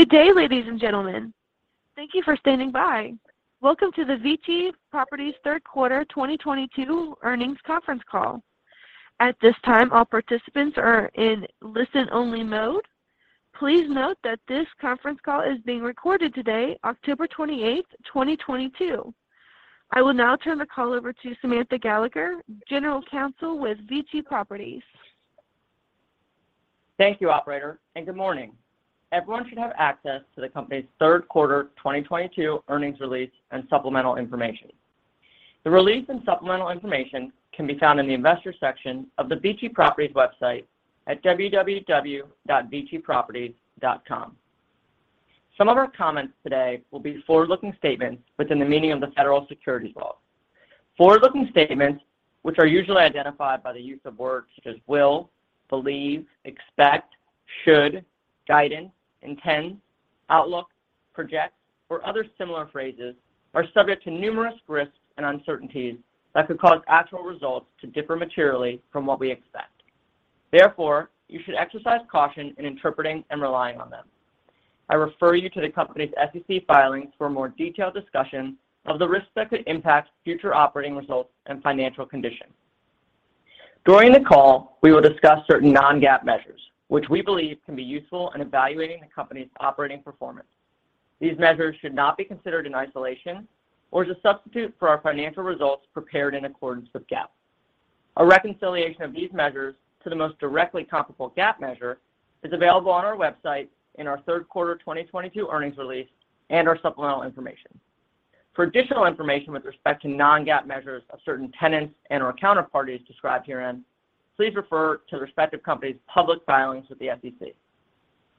Good day, ladies and gentlemen. Thank you for standing by. Welcome to the VICI Properties Third Quarter 2022 Earnings Conference Call. At this time, all participants are in listen-only mode. Please note that this conference call is being recorded today, October twenty-eighth, 2022. I will now turn the call over to Samantha Gallagher, General Counsel with VICI Properties. Thank you, operator, and good morning. Everyone should have access to the company's third quarter 2022 earnings release and supplemental information. The release and supplemental information can be found in the Investors section of the VICI Properties website at www.viciproperties.com. Some of our comments today will be forward-looking statements within the meaning of the federal securities laws. Forward-looking statements, which are usually identified by the use of words such as will, believe, expect, should, guidance, intend, outlook, project, or other similar phrases, are subject to numerous risks and uncertainties that could cause actual results to differ materially from what we expect. Therefore, you should exercise caution in interpreting and relying on them. I refer you to the company's SEC filings for a more detailed discussion of the risks that could impact future operating results and financial conditions. During the call, we will discuss certain non-GAAP measures, which we believe can be useful in evaluating the company's operating performance. These measures should not be considered in isolation or as a substitute for our financial results prepared in accordance with GAAP. A reconciliation of these measures to the most directly comparable GAAP measure is available on our website in our third quarter 2022 earnings release and our supplemental information. For additional information with respect to non-GAAP measures of certain tenants and/or counterparties described herein, please refer to the respective company's public filings with the SEC.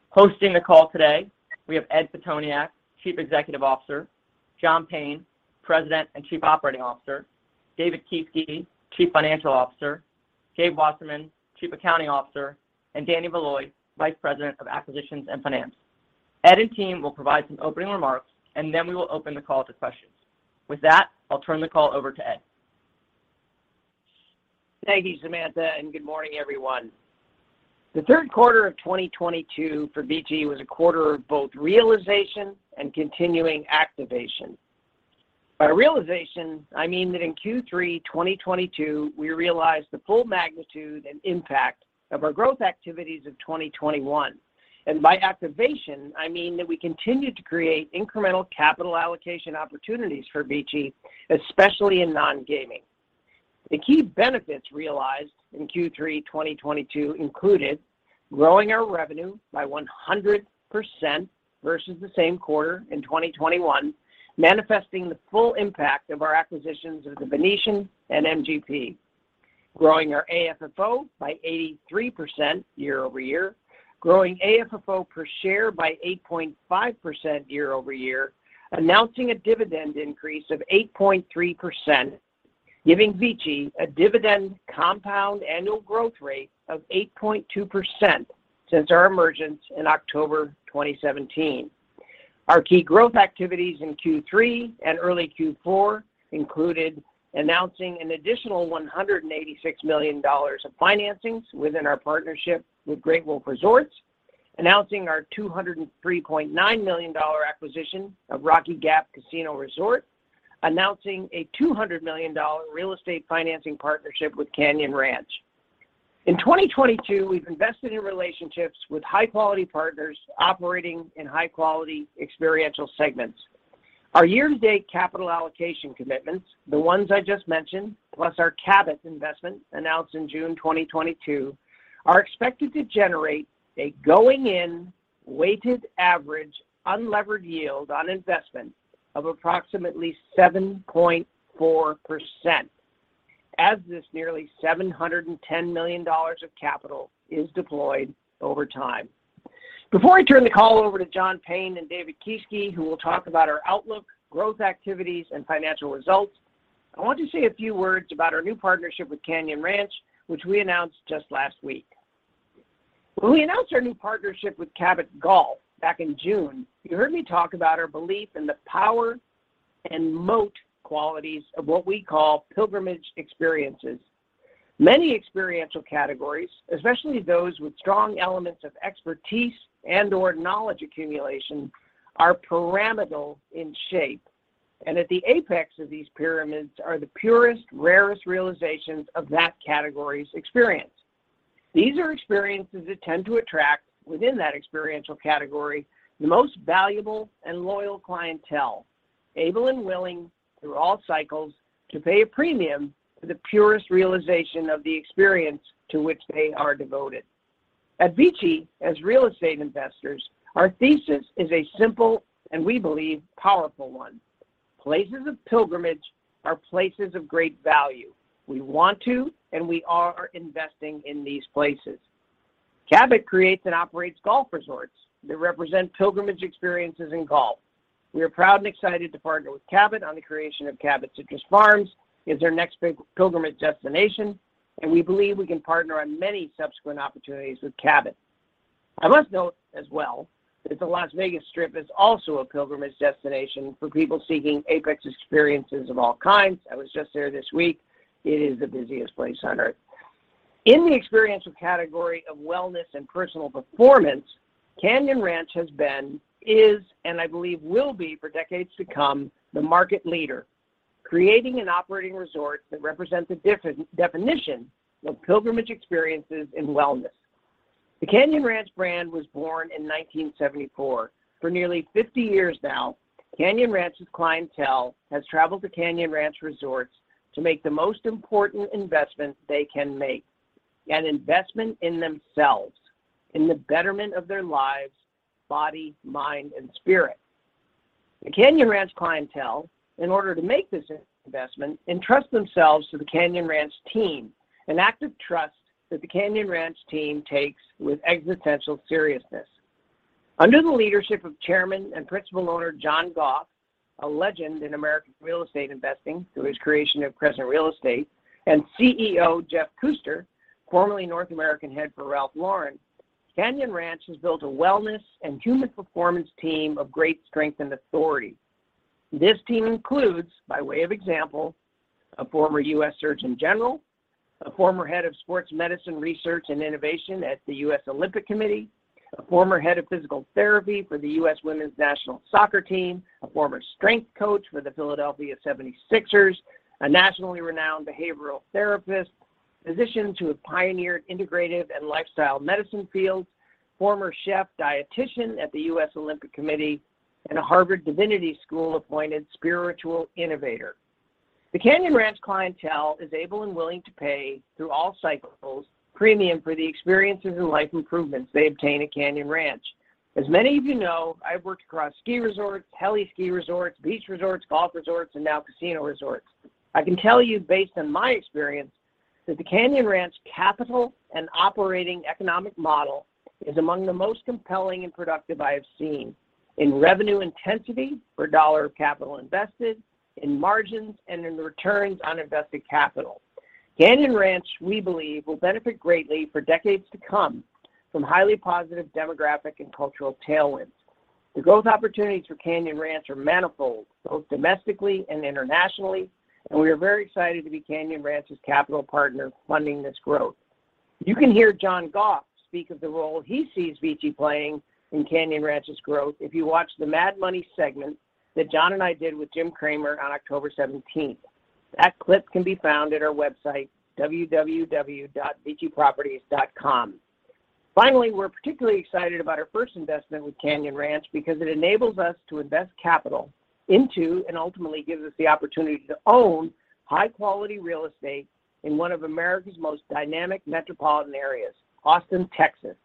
Hosting the call today, we have Edward Pitoniak, Chief Executive Officer, John Payne, President and Chief Operating Officer, David Kieske, Chief Financial Officer, Gabriel Wasserman, Chief Accounting Officer, and Danny Valoy, Vice President of Acquisitions and Finance. Ed and team will provide some opening remarks, and then we will open the call to questions. With that, I'll turn the call over to Ed. Thank you, Samantha, and good morning, everyone. The third quarter of 2022 for VICI was a quarter of both realization and continuing activation. By realization, I mean that in Q3 2022, we realized the full magnitude and impact of our growth activities of 2021. By activation, I mean that we continued to create incremental capital allocation opportunities for VICI, especially in non-gaming. The key benefits realized in Q3 2022 included growing our revenue by 100% versus the same quarter in 2021, manifesting the full impact of our acquisitions of The Venetian and MGP. Growing our AFFO by 83% year-over-year. Growing AFFO per share by 8.5% year-over-year. Announcing a dividend increase of 8.3%, giving Vici a dividend compound annual growth rate of 8.2% since our emergence in October 2017. Our key growth activities in Q3 and early Q4 included announcing an additional $186 million of financings within our partnership with Great Wolf Resorts. Announcing our $203.9 million acquisition of Rocky Gap Casino Resort. Announcing a $200 million real estate financing partnership with Canyon Ranch. In 2022, we've invested in relationships with high-quality partners operating in high-quality experiential segments. Our year-to-date capital allocation commitments, the ones I just mentioned, plus our Cabot investment announced in June 2022, are expected to generate a going-in weighted average unlevered yield on investment of approximately 7.4% as this nearly $710 million of capital is deployed over time. Before I turn the call over to John Payne and David Kieske, who will talk about our outlook, growth activities, and financial results, I want to say a few words about our new partnership with Canyon Ranch, which we announced just last week. When we announced our new partnership with Cabot Golf back in June, you heard me talk about our belief in the power and moat qualities of what we call pilgrimage experiences. Many experiential categories, especially those with strong elements of expertise and/or knowledge accumulation, are pyramidal in shape. At the apex of these pyramids are the purest, rarest realizations of that category's experience. These are experiences that tend to attract, within that experiential category, the most valuable and loyal clientele, able and willing through all cycles to pay a premium for the purest realization of the experience to which they are devoted. At Vici, as real estate investors, our thesis is a simple, and we believe, powerful one. Places of pilgrimage are places of great value. We want to, and we are investing in these places. Cabot creates and operates golf resorts that represent pilgrimage experiences in golf. We are proud and excited to partner with Cabot on the creation of Cabot Citrus Farms as their next big pilgrimage destination, and we believe we can partner on many subsequent opportunities with Cabot. I must note as well that the Las Vegas Strip is also a pilgrimage destination for people seeking apex experiences of all kinds. I was just there this week. It is the busiest place on Earth. In the experiential category of wellness and personal performance, Canyon Ranch has been, is, and I believe will be for decades to come, the market leader, creating and operating resorts that represent the definition of pilgrimage experiences in wellness. The Canyon Ranch brand was born in 1974. For nearly 50 years now, Canyon Ranch's clientele has traveled to Canyon Ranch resorts to make the most important investment they can make, an investment in themselves, in the betterment of their lives, body, mind, and spirit. The Canyon Ranch clientele, in order to make this investment, entrust themselves to the Canyon Ranch team, an act of trust that the Canyon Ranch team takes with existential seriousness. Under the leadership of Chairman and principal owner John Goff, a legend in American real estate investing through his creation of Crescent Real Estate, and CEO Jeff Kuster, formerly North American head for Ralph Lauren, Canyon Ranch has built a wellness and human performance team of great strength and authority. This team includes, by way of example, a former U.S. Surgeon General, a former head of sports medicine research and innovation at the U.S. Olympic Committee, a former head of physical therapy for the U.S. women's national soccer team, a former strength coach for the Philadelphia 76ers, a nationally renowned behavioral therapist, physicians who have pioneered integrative and lifestyle medicine fields, former chef-dietitian at the U.S. Olympic Committee, and a Harvard Divinity School-appointed spiritual innovator. The Canyon Ranch clientele is able and willing to pay through all cycles premium for the experiences and life improvements they obtain at Canyon Ranch. As many of you know, I've worked across ski resorts, heli-ski resorts, beach resorts, golf resorts, and now casino resorts. I can tell you based on my experience that the Canyon Ranch capital and operating economic model is among the most compelling and productive I have seen in revenue intensity for dollar of capital invested, in margins, and in the returns on invested capital. Canyon Ranch, we believe, will benefit greatly for decades to come from highly positive demographic and cultural tailwinds. The growth opportunities for Canyon Ranch are manifold, both domestically and internationally, and we are very excited to be Canyon Ranch's capital partner funding this growth. You can hear John Goff speak of the role he sees VICI playing in Canyon Ranch's growth if you watch the Mad Money segment that John and I did with Jim Cramer on October seventeenth. That clip can be found at our website, www.viciproperties.com. Finally, we're particularly excited about our first investment with Canyon Ranch because it enables us to invest capital into and ultimately gives us the opportunity to own high-quality real estate in one of America's most dynamic metropolitan areas, Austin, Texas,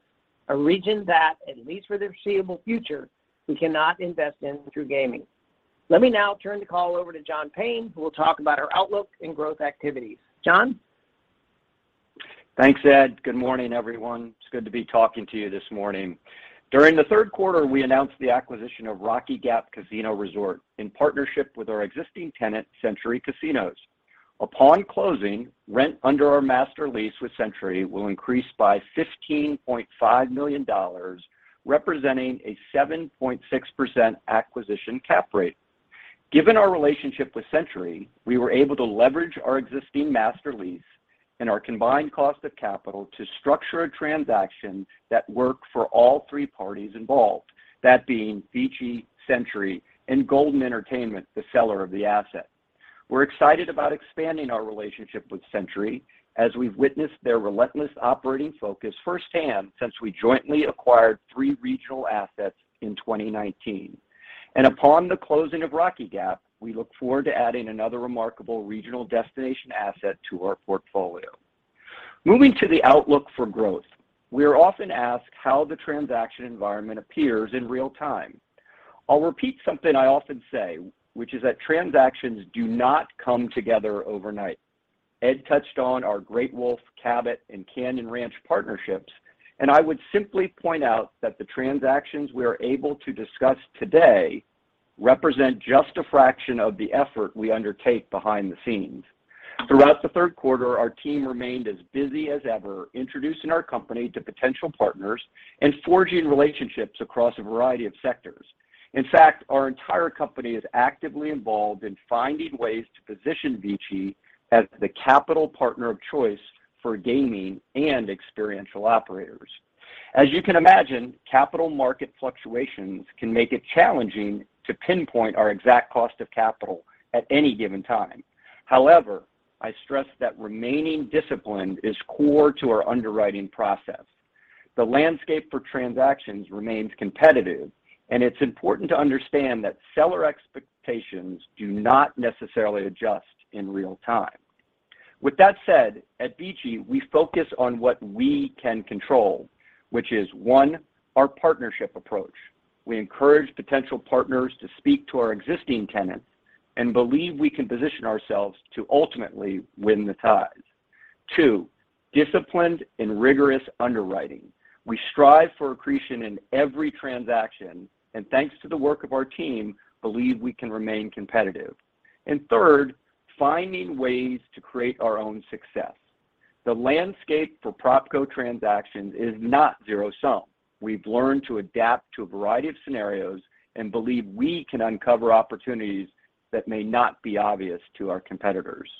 a region that at least for the foreseeable future, we cannot invest in through gaming. Let me now turn the call over to John Payne, who will talk about our outlook and growth activities. John? Thanks, Ed. Good morning, everyone. It's good to be talking to you this morning. During the third quarter, we announced the acquisition of Rocky Gap Casino Resort in partnership with our existing tenant, Century Casinos. Upon closing, rent under our master lease with Century will increase by $15.5 million, representing a 7.6% acquisition cap rate. Given our relationship with Century, we were able to leverage our existing master lease and our combined cost of capital to structure a transaction that worked for all three parties involved, that being VICI, Century, and Golden Entertainment, the seller of the asset. We're excited about expanding our relationship with Century as we've witnessed their relentless operating focus firsthand since we jointly acquired three regional assets in 2019. Upon the closing of Rocky Gap, we look forward to adding another remarkable regional destination asset to our portfolio. Moving to the outlook for growth, we are often asked how the transaction environment appears in real time. I'll repeat something I often say, which is that transactions do not come together overnight. Ed touched on our Great Wolf, Cabot, and Canyon Ranch partnerships, and I would simply point out that the transactions we are able to discuss today represent just a fraction of the effort we undertake behind the scenes. Throughout the third quarter, our team remained as busy as ever, introducing our company to potential partners and forging relationships across a variety of sectors. In fact, our entire company is actively involved in finding ways to position VICI as the capital partner of choice for gaming and experiential operators. As you can imagine, capital market fluctuations can make it challenging to pinpoint our exact cost of capital at any given time. However, I stress that remaining disciplined is core to our underwriting process. The landscape for transactions remains competitive, and it's important to understand that seller expectations do not necessarily adjust in real time. With that said, at VICI, we focus on what we can control, which is, one, our partnership approach. We encourage potential partners to speak to our existing tenants and believe we can position ourselves to ultimately win the ties. Two, disciplined and rigorous underwriting. We strive for accretion in every transaction, and thanks to the work of our team, believe we can remain competitive. Third, finding ways to create our own success. The landscape for PropCo transactions is not zero-sum. We've learned to adapt to a variety of scenarios and believe we can uncover opportunities that may not be obvious to our competitors.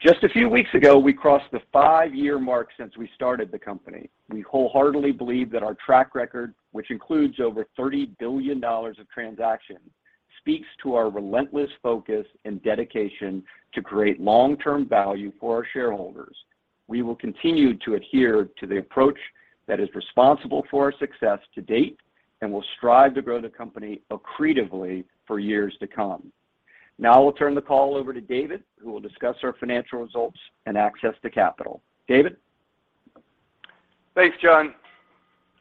Just a few weeks ago, we crossed the five-year mark since we started the company. We wholeheartedly believe that our track record, which includes over $30 billion of transactions, speaks to our relentless focus and dedication to create long-term value for our shareholders. We will continue to adhere to the approach that is responsible for our success to date and will strive to grow the company accretively for years to come. Now I will turn the call over to David, who will discuss our financial results and access to capital. David? Thanks, John.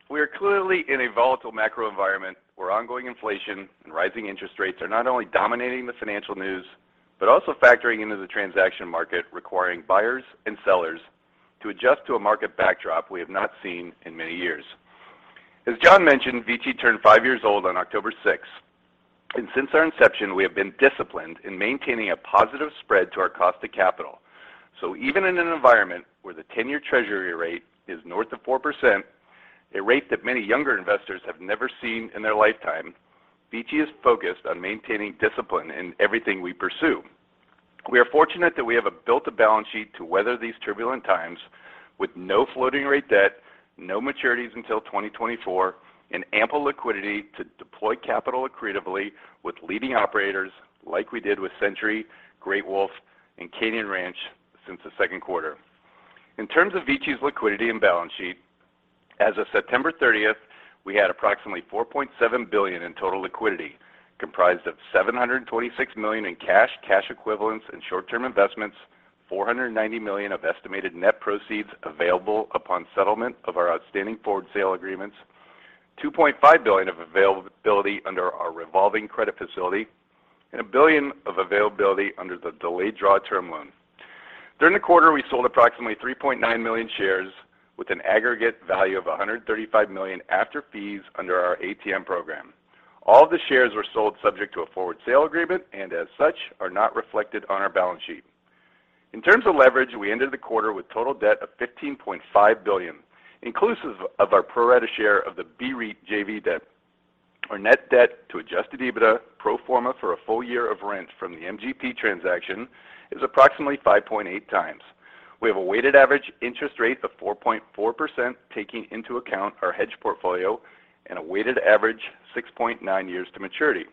We are clearly in a volatile macro environment where ongoing inflation and rising interest rates are not only dominating the financial news, but also factoring into the transaction market, requiring buyers and sellers to adjust to a market backdrop we have not seen in many years. As John mentioned, VICI turned five years old on October six, and since our inception, we have been disciplined in maintaining a positive spread to our cost of capital. Even in an environment where the ten-year treasury rate is north of 4%, a rate that many younger investors have never seen in their lifetime, VICI is focused on maintaining discipline in everything we pursue. We are fortunate that we have built a balance sheet to weather these turbulent times with no floating rate debt, no maturities until 2024, and ample liquidity to deploy capital accretively with leading operators like we did with Century, Great Wolf, and Canyon Ranch since the second quarter. In terms of VICI's liquidity and balance sheet, as of September 30th, we had approximately $4.7 billion in total liquidity, comprised of $726 million in cash equivalents, and short-term investments, $490 million of estimated net proceeds available upon settlement of our outstanding forward sale agreements, $2.5 billion of availability under our revolving credit facility, and $1 billion of availability under the delayed draw term loan. During the quarter, we sold approximately 3.9 million shares with an aggregate value of $135 million after fees under our ATM program. All the shares were sold subject to a forward sale agreement, and as such, are not reflected on our balance sheet. In terms of leverage, we ended the quarter with total debt of $15.5 billion, inclusive of our pro rata share of the BREIT JV debt. Our net debt to adjusted EBITDA pro forma for a full year of rent from the MGP transaction is approximately 5.8x. We have a weighted average interest rate of 4.4%, taking into account our hedge portfolio and a weighted average 6.9 years to maturity.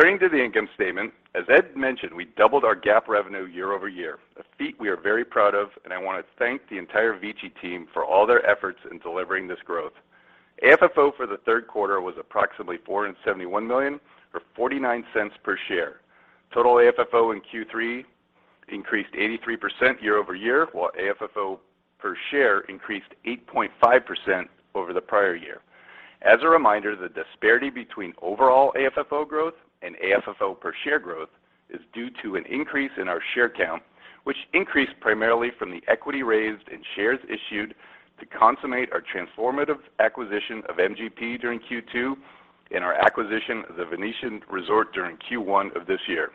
Turning to the income statement, as Ed mentioned, we doubled our GAAP revenue year over year, a feat we are very proud of, and I want to thank the entire VICI team for all their efforts in delivering this growth. AFFO for the third quarter was approximately $471 million or $0.49 per share. Total AFFO in Q3 increased 83% year over year, while AFFO per share increased 8.5% over the prior year. As a reminder, the disparity between overall AFFO growth and AFFO per share growth is due to an increase in our share count, which increased primarily from the equity raised in shares issued to consummate our transformative acquisition of MGP during Q2 and our acquisition of the Venetian Resort during Q1 of this year.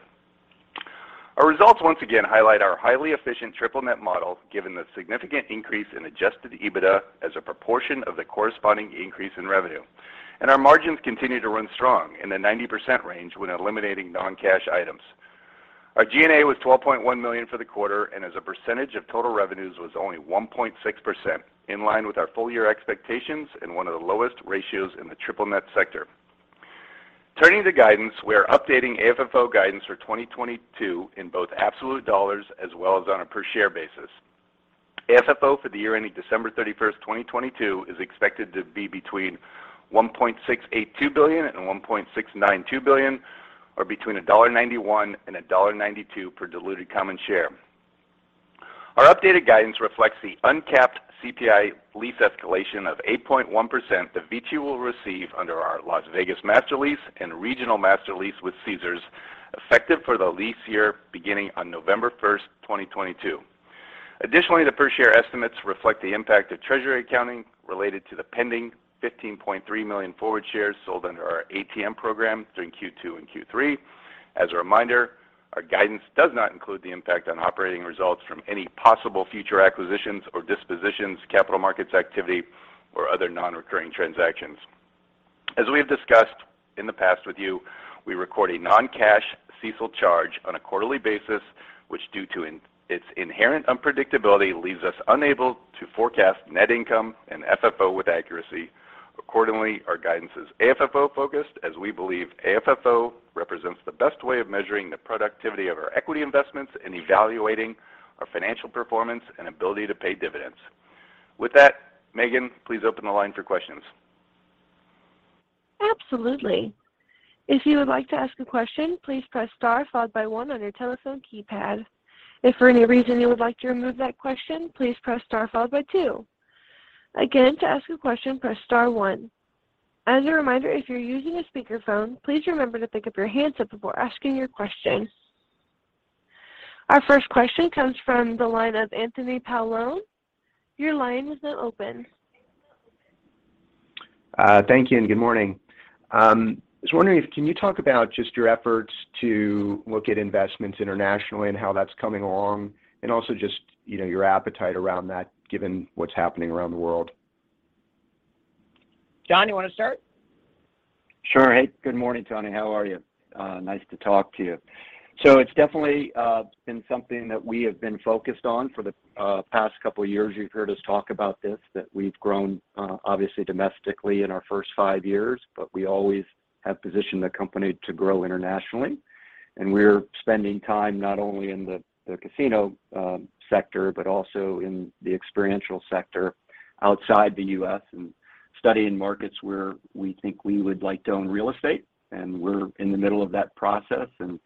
Our results once again highlight our highly efficient triple net model, given the significant increase in adjusted EBITDA as a proportion of the corresponding increase in revenue. Our margins continue to run strong in the 90% range when eliminating non-cash items. Our G&A was $12.1 million for the quarter, and as a percentage of total revenues was only 1.6%, in line with our full year expectations and one of the lowest ratios in the triple net sector. Turning to guidance, we are updating AFFO guidance for 2022 in both absolute dollars as well as on a per share basis. AFFO for the year ending December 31, 2022 is expected to be between $1.682 billion and $1.692 billion or between $1.91 and $1.92 per diluted common share. Our updated guidance reflects the uncapped CPI lease escalation of 8.1% that VICI will receive under our Las Vegas master lease and regional master lease with Caesars, effective for the lease year beginning on November 1, 2022. Additionally, the per share estimates reflect the impact of treasury accounting related to the pending 15.3 million forward shares sold under our ATM program during Q2 and Q3. As a reminder, our guidance does not include the impact on operating results from any possible future acquisitions or dispositions, capital markets activity, or other non-recurring transactions. As we have discussed in the past with you, we record a non-cash CECL charge on a quarterly basis, which due to its inherent unpredictability, leaves us unable to forecast net income and FFO with accuracy. Accordingly, our guidance is AFFO focused as we believe AFFO represents the best way of measuring the productivity of our equity investments and evaluating our financial performance and ability to pay dividends. With that, Megan, please open the line for questions. Absolutely. If you would like to ask a question, please press star followed by one on your telephone keypad. If for any reason you would like to remove that question, please press star followed by two. Again, to ask a question, press star one. As a reminder, if you're using a speakerphone, please remember to pick up your handset before asking your question. Our first question comes from the line of Anthony Paolone. Your line is now open. Thank you and good morning. I was wondering if can you talk about just your efforts to look at investments internationally and how that's coming along, and also just, you know, your appetite around that given what's happening around the world? John, you wanna start? Sure. Hey, good morning, Tony. How are you? Nice to talk to you. It's definitely been something that we have been focused on for the past couple years. You've heard us talk about this, that we've grown obviously domestically in our first five years, but we always have positioned the company to grow internationally. We're spending time not only in the casino sector, but also in the experiential sector outside the US and studying markets where we think we would like to own real estate, and we're in the middle of that process and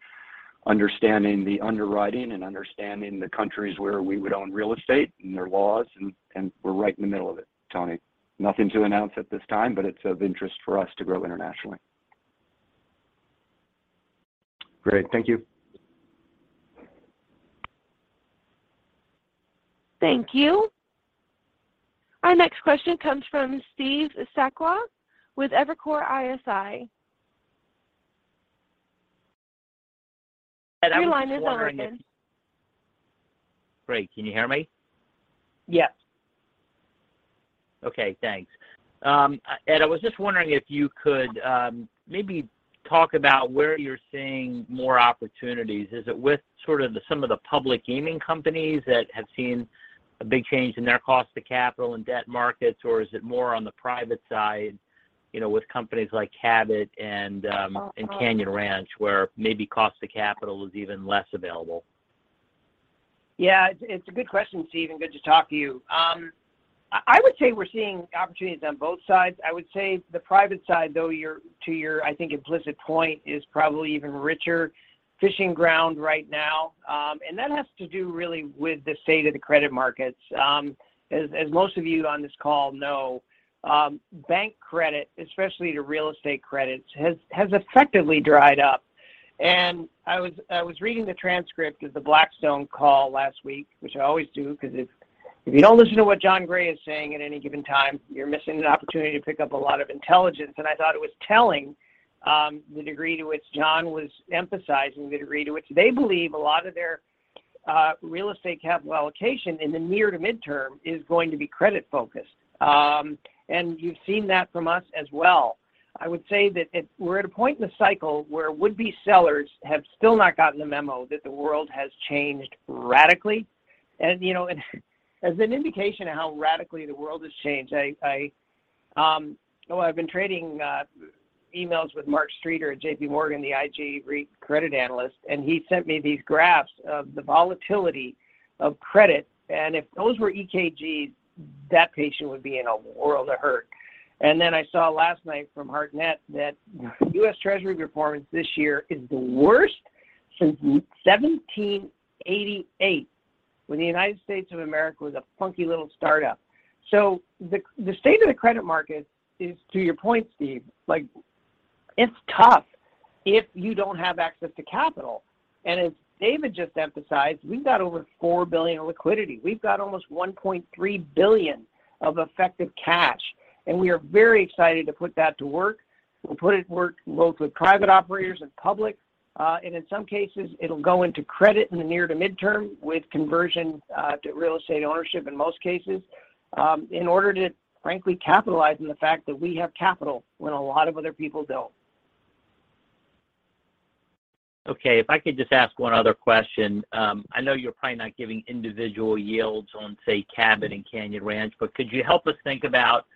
understanding the underwriting and understanding the countries where we would own real estate and their laws, and we're right in the middle of it, Tony. Nothing to announce at this time, but it's of interest for us to grow internationally. Great. Thank you. Thank you. Our next question comes from Steve Sakwa with Evercore ISI. Your line is now open. Great. Can you hear me? Yes. Okay. Thanks. Ed, I was just wondering if you could, maybe talk about where you're seeing more opportunities. Is it with some of the public gaming companies that have seen a big change in their cost to capital and debt markets, or is it more on the private side, you know, with companies like Cabot and Canyon Ranch, where maybe cost to capital is even less available? Yeah. It's a good question, Steve, and good to talk to you. I would say we're seeing opportunities on both sides. I would say the private side, though, to your, I think, implicit point is probably even richer fishing ground right now. That has to do really with the state of the credit markets. As most of you on this call know, bank credit, especially to real estate credits, has effectively dried up. I was reading the transcript of the Blackstone call last week, which I always do, 'cause if you don't listen to what Jon Gray is saying at any given time, you're missing an opportunity to pick up a lot of intelligence. I thought it was telling, the degree to which John was emphasizing the degree to which they believe a lot of their real estate capital allocation in the near to midterm is going to be credit-focused. You've seen that from us as well. I would say that we're at a point in the cycle where would-be sellers have still not gotten the memo that the world has changed radically. You know, as an indication of how radically the world has changed, I've been trading emails with Mark Streeter at JPMorgan, the IG REIT credit analyst, and he sent me these graphs of the volatility of credit, and if those were EKGs, that patient would be in a world of hurt. I saw last night from Hartnett that US Treasury performance this year is the worst since 1788 when the United States of America was a funky little startup. The state of the credit market is, to your point, Steve, like, it's tough if you don't have access to capital. As David just emphasized, we've got over $4 billion in liquidity. We've got almost $1.3 billion of effective cash, and we are very excited to put that to work. We'll put it to work both with private operators and public, and in some cases, it'll go into credit in the near- to midterm with conversion to real estate ownership in most cases, in order to frankly capitalize on the fact that we have capital when a lot of other people don't. Okay. If I could just ask one other question. I know you're probably not giving individual yields on, say, Cabot and Canyon Ranch, but could you help us think about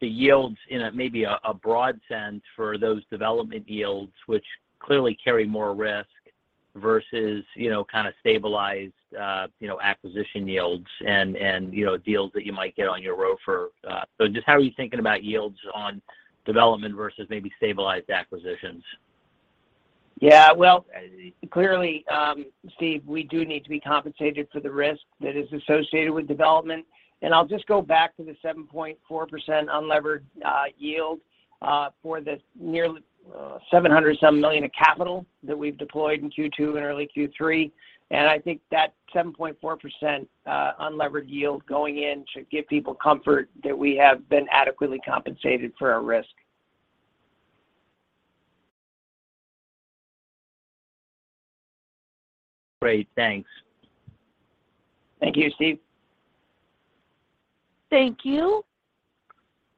the yields in a broad sense for those development yields, which clearly carry more risk versus, you know, kind of stabilized, you know, acquisition yields and, you know, deals that you might get on your ROFR? Just how are you thinking about yields on development versus maybe stabilized acquisitions? Well, clearly, Steve, we do need to be compensated for the risk that is associated with development. I'll just go back to the 7.4% unlevered yield for the nearly $700 million of capital that we've deployed in Q2 and early Q3. I think that 7.4% unlevered yield going in should give people comfort that we have been adequately compensated for our risk. Great. Thanks. Thank you, Steve. Thank you.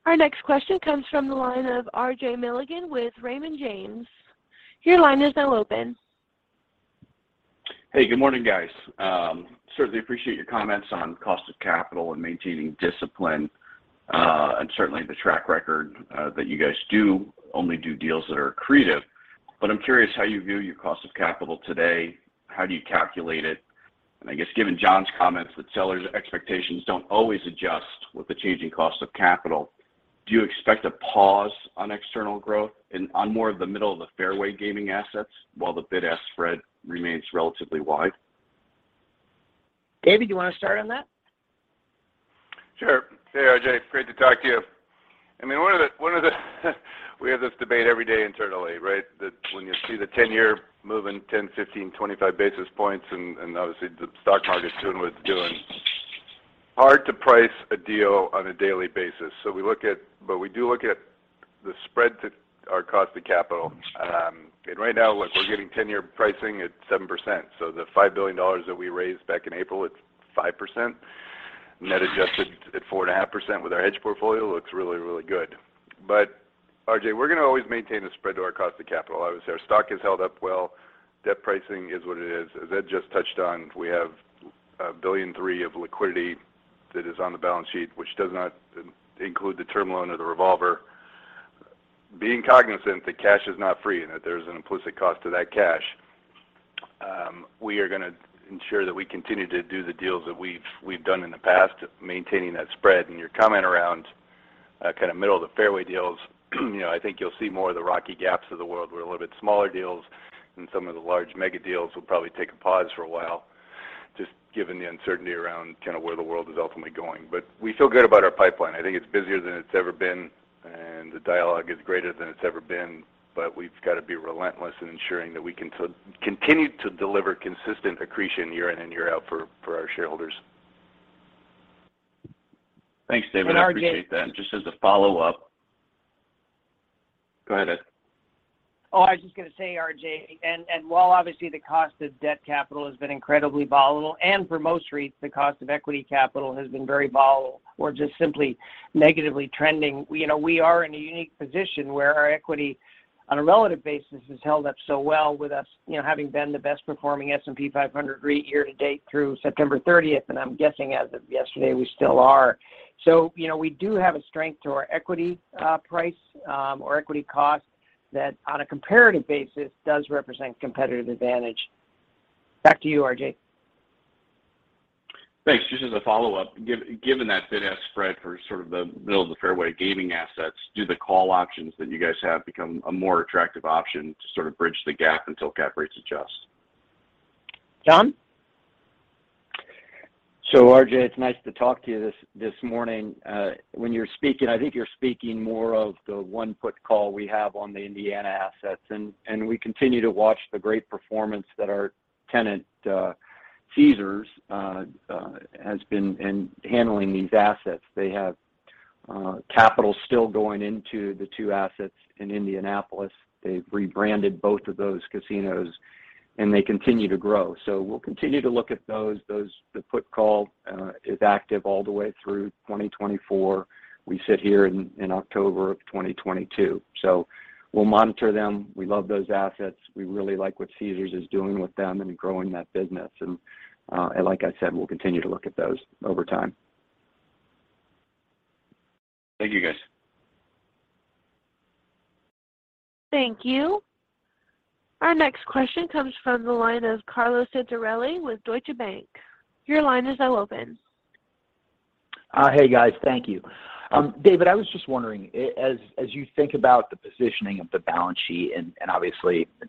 Our next question comes from the line of RJ Milligan with Raymond James. Your line is now open. Hey, good morning, guys. Certainly appreciate your comments on cost of capital and maintaining discipline, and certainly the track record that you guys only do deals that are accretive. I'm curious how you view your cost of capital today. How do you calculate it? I guess given John's comments that sellers' expectations don't always adjust with the changing cost of capital, do you expect a pause on external growth and on more of the middle of the fairway gaming assets while the bid-ask spread remains relatively wide? David, do you wanna start on that? Sure. Hey, RJ, great to talk to you. I mean, we have this debate every day internally, right? That when you see the 10-year moving 10, 15, 25 basis points and obviously the stock market's doing what it's doing. Hard to price a deal on a daily basis. We do look at the spread to our cost of capital. And right now, look, we're getting 10-year pricing at 7%, so the $5 billion that we raised back in April at 5%, net adjusted at 4.5% with our hedge portfolio, looks really, really good. RJ, we're gonna always maintain the spread to our cost of capital. Obviously, our stock has held up well. Debt pricing is what it is. As Ed just touched on, we have $1.3 billion of liquidity that is on the balance sheet, which does not include the term loan or the revolver. Being cognizant that cash is not free and that there's an implicit cost to that cash, we are gonna ensure that we continue to do the deals that we've done in the past, maintaining that spread. Your comment around kind of middle-of-the-fairway deals, you know, I think you'll see more of the Rocky Gap of the world, where a little bit smaller deals and some of the large mega deals will probably take a pause for a while, just given the uncertainty around kind of where the world is ultimately going. We feel good about our pipeline. I think it's busier than it's ever been, and the dialogue is greater than it's ever been. We've gotta be relentless in ensuring that we continue to deliver consistent accretion year in and year out for our shareholders. Thanks, David. RJ I appreciate that. Just as a follow-up. Go ahead, Ed. Oh, I was just gonna say, RJ, and while obviously the cost of debt capital has been incredibly volatile, and for most REITs, the cost of equity capital has been very volatile or just simply negatively trending, you know, we are in a unique position where our equity on a relative basis has held up so well with us, you know, having been the best performing S&P 500 REIT year to date through September 30th, and I'm guessing as of yesterday, we still are. You know, we do have a strength to our equity price or equity cost that on a comparative basis does represent competitive advantage. Back to you, RJ. Thanks. Just as a follow-up, given that bid-ask spread for sort of the middle-of-the-fairway gaming assets, do the call options that you guys have become a more attractive option to sort of bridge the gap until cap rates adjust? John? RJ, it's nice to talk to you this morning. When you're speaking, I think you're speaking more of the ROFR call we have on the Indiana assets. We continue to watch the great performance that our tenant, Caesars, has been in handling these assets. They have capital still going into the two assets in Indianapolis. They've rebranded both of those casinos, and they continue to grow. We'll continue to look at those. The ROFR call is active all the way through 2024. We sit here in October of 2022. We'll monitor them. We love those assets. We really like what Caesars is doing with them and growing that business. Like I said, we'll continue to look at those over time. Thank you, guys. Thank you. Our next question comes from the line of Carlo Santarelli with Deutsche Bank. Your line is now open. Hey, guys. Thank you. David, I was just wondering, as you think about the positioning of the balance sheet and obviously at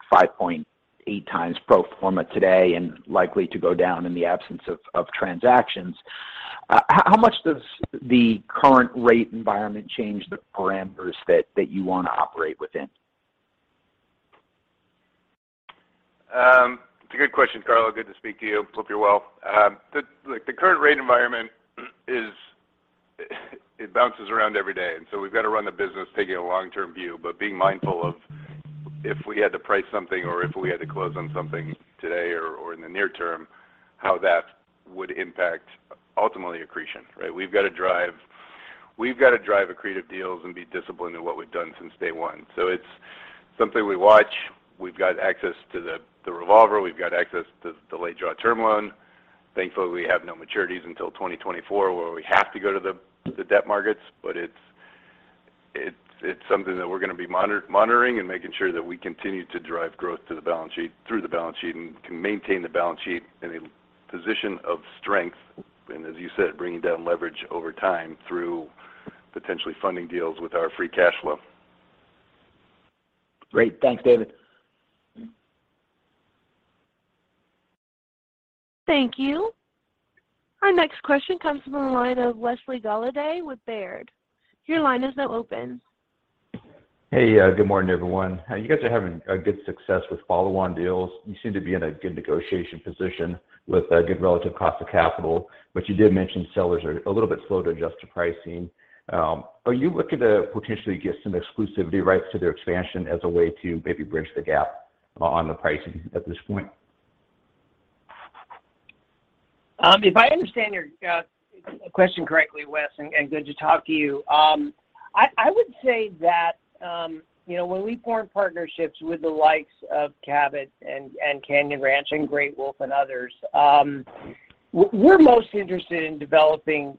5.8x pro forma today and likely to go down in the absence of transactions, how much does the current rate environment change the parameters that you wanna operate within? It's a good question, Carlo. Good to speak to you. Hope you're well. Look, the current rate environment is. It bounces around every day, and so we've got to run the business taking a long-term view, but being mindful of if we had to price something or if we had to close on something today or in the near term, how that would impact ultimately accretion, right? We've got to drive accretive deals and be disciplined in what we've done since day one. So it's something we watch. We've got access to the revolver. We've got access to the late draw term loan. Thankfully, we have no maturities until 2024, where we have to go to the debt markets. It's something that we're gonna be monitoring and making sure that we continue to drive growth to the balance sheet through the balance sheet and can maintain the balance sheet in a position of strength, and as you said, bringing down leverage over time through potentially funding deals with our free cash flow. Great. Thanks, David. Thank you. Our next question comes from the line of Wesley Golladay with Baird. Your line is now open. Good morning, everyone. You guys are having a good success with follow-on deals. You seem to be in a good negotiation position with a good relative cost of capital. You did mention sellers are a little bit slow to adjust to pricing. Are you looking to potentially get some exclusivity rights to their expansion as a way to maybe bridge the gap on the pricing at this point? If I understand your question correctly, Wes, and good to talk to you, I would say that, you know, when we form partnerships with the likes of Cabot and Canyon Ranch and Great Wolf and others, we're most interested in developing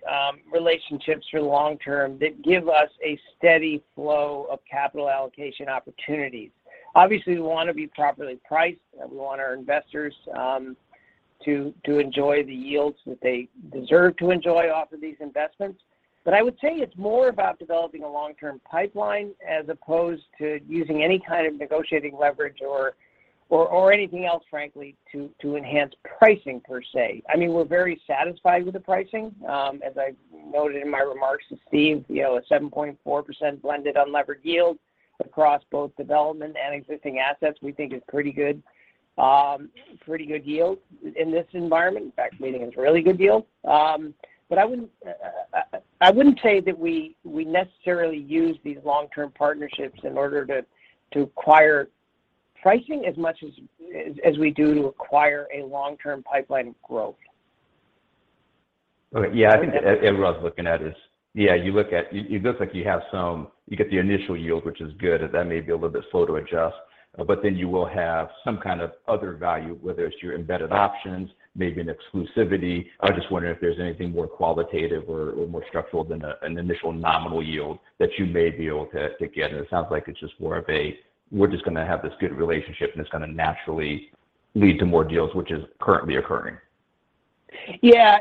relationships for the long term that give us a steady flow of capital allocation opportunities. Obviously, we wanna be properly priced, and we want our investors to enjoy the yields that they deserve to enjoy off of these investments. I would say it's more about developing a long-term pipeline as opposed to using any kind of negotiating leverage or anything else, frankly, to enhance pricing per se. I mean, we're very satisfied with the pricing. As I noted in my remarks to Steve, you know, a 7.4% blended unlevered yield across both development and existing assets, we think is pretty good, pretty good yield in this environment. In fact, we think it's a really good deal. I wouldn't say that we necessarily use these long-term partnerships in order to acquire pricing as much as we do to acquire a long-term pipeline of growth. Okay. Yeah. I think everyone's looking at is. Yeah, you look at it. It looks like you get the initial yield, which is good, but that may be a little bit slow to adjust, but then you will have some kind of other value, whether it's your embedded options, maybe an exclusivity. I was just wondering if there's anything more qualitative or more structural than an initial nominal yield that you may be able to get. It sounds like it's just more of a, "We're just gonna have this good relationship, and it's gonna naturally lead to more deals," which is currently occurring. Yeah.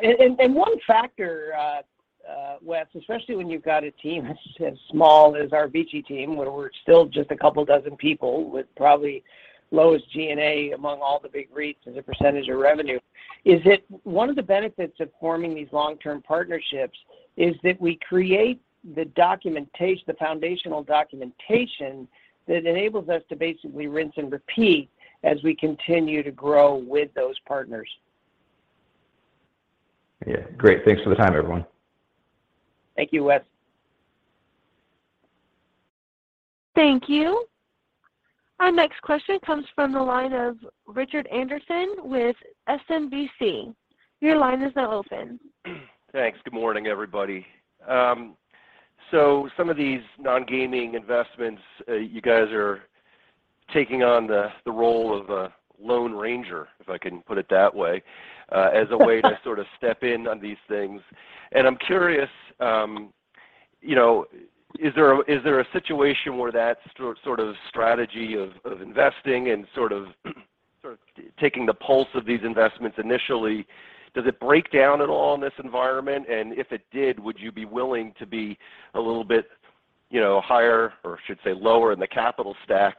One factor, Wes, especially when you've got a team as small as our VICI team, where we're still just a couple dozen people with probably lowest G&A among all the big REITs as a percentage of revenue, is that one of the benefits of forming these long-term partnerships is that we create the documentation, the foundational documentation that enables us to basically rinse and repeat as we continue to grow with those partners. Yeah. Great. Thanks for the time, everyone. Thank you, Wes. Thank you. Our next question comes from the line of Richard Anderson with SMBC. Your line is now open. Thanks. Good morning, everybody. Some of these non-gaming investments, you guys are taking on the role of a lone ranger, if I can put it that way, as a way to sort of step in on these things. I'm curious, you know, is there a situation where that sort of strategy of investing and sort of taking the pulse of these investments initially, does it break down at all in this environment? If it did, would you be willing to be a little bit, you know, higher, or I should say lower in the capital stack,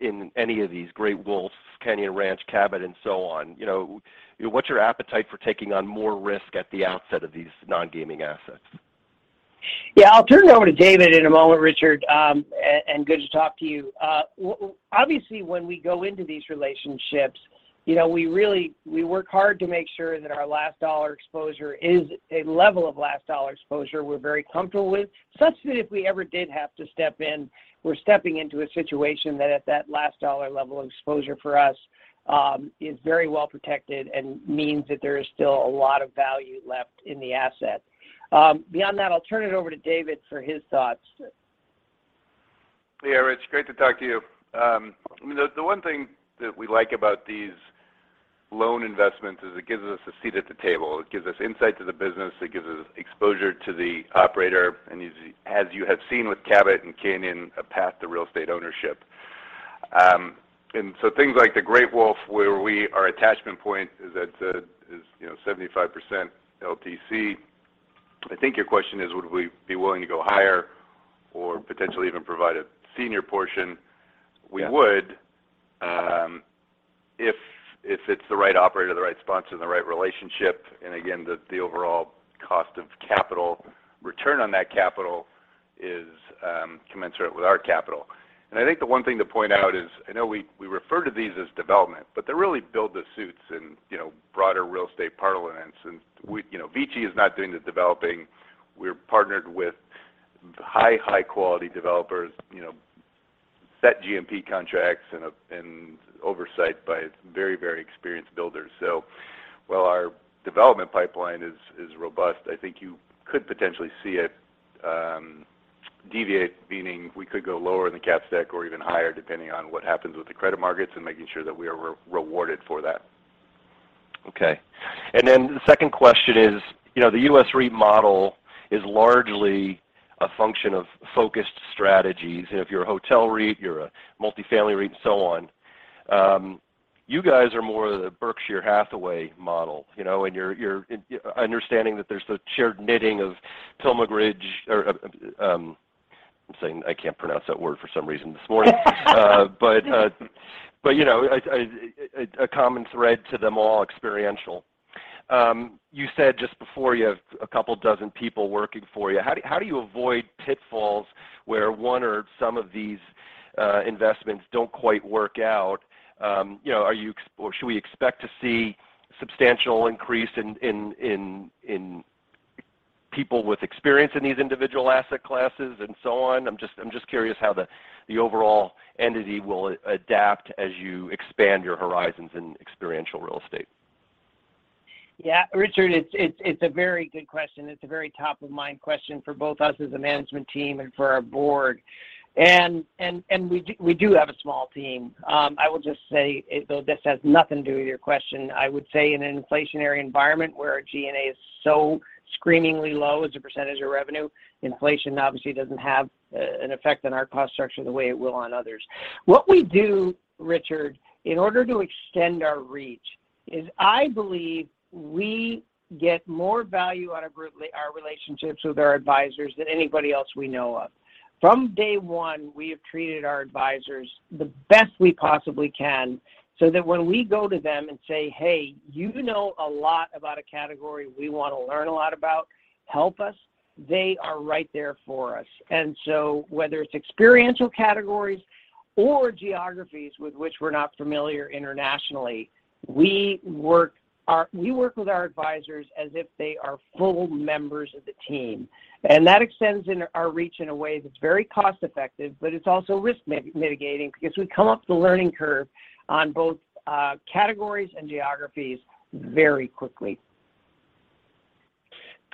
in any of these Great Wolf, Canyon Ranch, Cabot, and so on? You know, what's your appetite for taking on more risk at the outset of these non-gaming assets? Yeah, I'll turn it over to David in a moment, Richard. Good to talk to you. Obviously, when we go into these relationships, you know, we really work hard to make sure that our last dollar exposure is a level of last dollar exposure we're very comfortable with, such that if we ever did have to step in, we're stepping into a situation that at that last dollar level of exposure for us is very well protected and means that there is still a lot of value left in the asset. Beyond that, I'll turn it over to David for his thoughts. Yeah, Rich, great to talk to you. I mean, the one thing that we like about these loan investments is it gives us a seat at the table. It gives us insight to the business. It gives us exposure to the operator. As you have seen with Cabot and Canyon, a path to real estate ownership. Things like the Great Wolf, where our attachment point is at 75% LTC. I think your question is, would we be willing to go higher or potentially even provide a senior portion? Yeah. We would, if it's the right operator, the right sponsor, and the right relationship. The overall cost of capital, return on that capital is commensurate with our capital. I think the one thing to point out is, I know we refer to these as development, but they're really build-to-suits and, you know, broader real estate parlance. We, you know, VICI is not doing the developing. We're partnered with high-quality developers, you know, set GMP contracts and oversight by very experienced builders. While our development pipeline is robust, I think you could potentially see it deviate, meaning we could go lower in the cap stack or even higher, depending on what happens with the credit markets and making sure that we are rewarded for that. Okay. The second question is, you know, the U.S. REIT model is largely a function of focused strategies. You know, if you're a hotel REIT, you're a multifamily REIT, and so on. You guys are more the Berkshire Hathaway model, you know, and you're understanding that there's the shared knitting of pilgrimage. I can't pronounce that word for some reason this morning. But you know, a common thread to them all, experiential. You said just before you have a couple dozen people working for you. How do you avoid pitfalls where one or some of these investments don't quite work out? You know, are you or should we expect to see substantial increase in people with experience in these individual asset classes and so on? I'm just curious how the overall entity will adapt as you expand your horizons in experiential real estate. Yeah. Richard, it's a very good question. It's a very top-of-mind question for both us as a management team and for our board. We do have a small team. I will just say, though this has nothing to do with your question, I would say in an inflationary environment where our G&A is so screamingly low as a percentage of revenue, inflation obviously doesn't have an effect on our cost structure the way it will on others. What we do, Richard, in order to extend our reach. I believe we get more value out of our relationships with our advisors than anybody else we know of. From day one, we have treated our advisors the best we possibly can so that when we go to them and say, "Hey, you know a lot about a category we wanna learn a lot about, help us," they are right there for us. Whether it's experiential categories or geographies with which we're not familiar internationally, we work with our advisors as if they are full members of the team. That extends our reach in a way that's very cost-effective, but it's also risk mitigating because we come up the learning curve on both categories and geographies very quickly.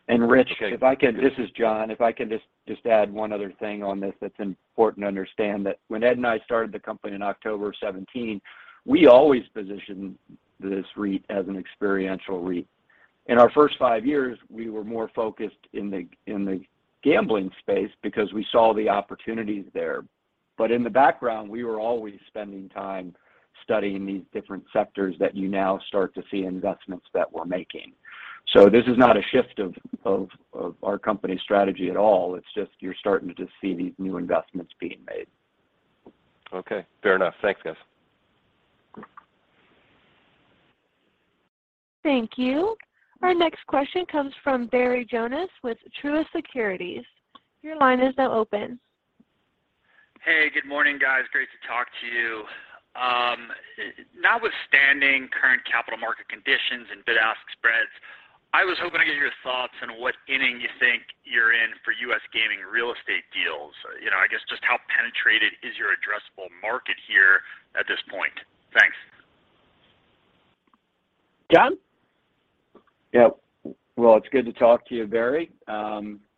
Rich, if I could. This is John. If I can just add one other thing on this that's important to understand, that when Ed and I started the company in October 2017, we always positioned this REIT as an experiential REIT. In our first five years, we were more focused in the gambling space because we saw the opportunities there. In the background, we were always spending time studying these different sectors that you now start to see investments that we're making. This is not a shift of our company strategy at all, it's just you're starting to just see these new investments being made. Okay. Fair enough. Thanks, guys. Thank you. Our next question comes from Barry Jonas with Truist Securities. Your line is now open. Hey, good morning, guys. Great to talk to you. Notwithstanding current capital market conditions and bid-ask spreads, I was hoping to get your thoughts on what inning you think you're in for U.S. gaming real estate deals. You know, I guess, just how penetrated is your addressable market here at this point? Thanks. John? Yep. Well, it's good to talk to you, Barry.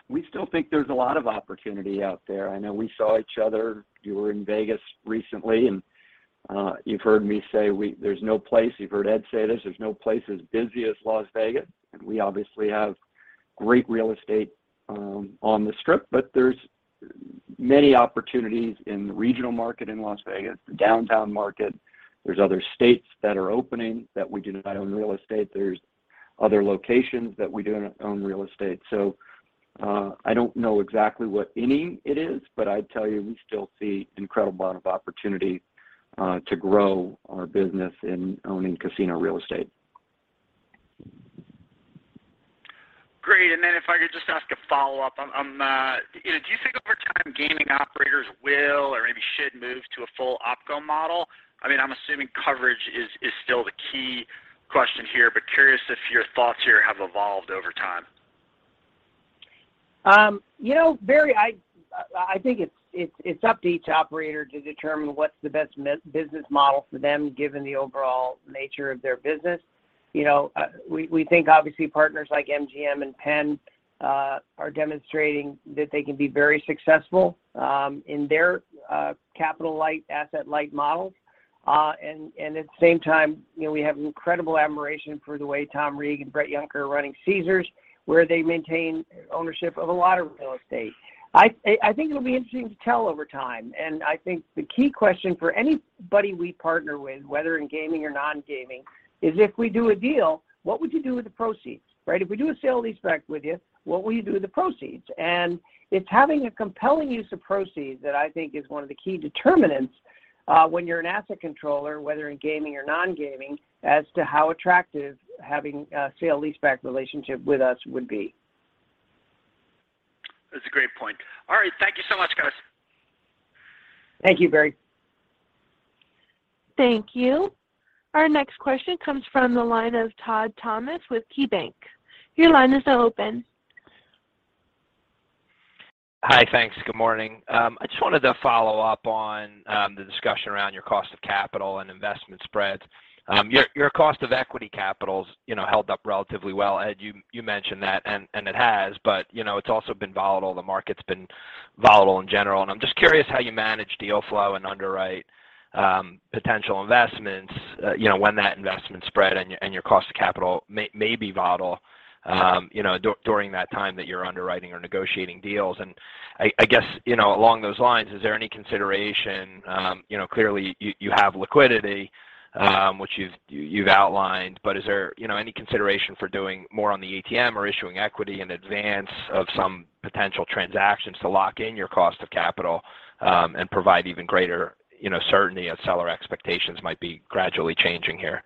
We still think there's a lot of opportunity out there. I know we saw each other, you were in Vegas recently, and you've heard me say there's no place, you've heard Ed say this, there's no place as busy as Las Vegas. We obviously have great real estate on the Strip, but there's many opportunities in the regional market in Las Vegas, the downtown market. There's other states that are opening that we do not own real estate. There's other locations that we do not own real estate. I don't know exactly what inning it is, but I tell you, we still see incredible amount of opportunity to grow our business in owning casino real estate. Great. If I could just ask a follow-up. You know, do you think over time gaming operators will or maybe should move to a full OpCo model? I mean, I'm assuming coverage is still the key question here, but curious if your thoughts here have evolved over time. You know, Barry, I think it's up to each operator to determine what's the best business model for them given the overall nature of their business. You know, we think obviously partners like MGM and Penn are demonstrating that they can be very successful in their capital light, asset light models. At the same time, you know, we have incredible admiration for the way Tom Reeg and Bret Yunker are running Caesars, where they maintain ownership of a lot of real estate. I think it'll be interesting to see over time, and I think the key question for anybody we partner with, whether in gaming or non-gaming, is if we do a deal, what would you do with the proceeds, right? If we do a sale of these back with you, what will you do with the proceeds? It's having a compelling use of proceeds that I think is one of the key determinants, when you're an asset controller, whether in gaming or non-gaming, as to how attractive having a sale-leaseback relationship with us would be. That's a great point. All right. Thank you so much, guys. Thank you, Barry. Thank you. Our next question comes from the line of Todd Thomas with KeyBanc. Your line is now open. Hi. Thanks. Good morning. I just wanted to follow up on the discussion around your cost of capital and investment spreads. Your cost of equity capital's, you know, held up relatively well. Ed, you mentioned that, and it has, but you know, it's also been volatile. The market's been volatile in general, and I'm just curious how you manage deal flow and underwrite potential investments, you know, when that investment spread and your cost of capital may be volatile, you know, during that time that you're underwriting or negotiating deals. I guess, you know, along those lines, is there any consideration? You know, clearly you have liquidity, which you've outlined, but is there, you know, any consideration for doing more on the ATM or issuing equity in advance of some potential transactions to lock in your cost of capital, and provide even greater, you know, certainty as seller expectations might be gradually changing here?